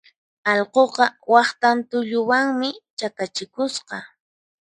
Allquqa waqtan tulluwanmi chakachikusqa.